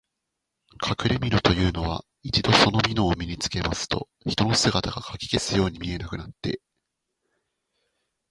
かくれみのというのは、一度そのみのを身につけますと、人の姿がかき消すように見えなくなって、